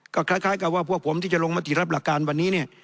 ก็คล้ายกับว่าพวกผมที่จะลงมติรับหลักการวันนี้เนี่ย